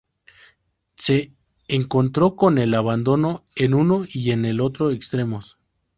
Se encontró con el abandono en uno y en el otro extremos".